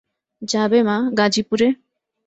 যাবে মা, গাজিপুরে?